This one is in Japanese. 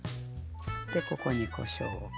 でここにこしょうを。